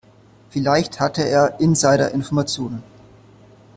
Vielleicht hatte er Insiderinformationen.